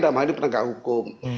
namanya penegak hukum